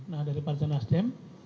nah dari partai nasdem